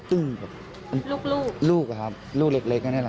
ลูกลูกลูกลิกนั่นแหละ